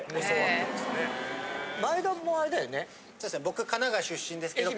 僕神奈川出身ですけど。